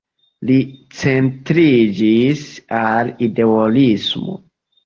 Li centriĝis al idealismo.